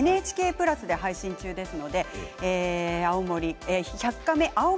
ＮＨＫプラスで配信中です。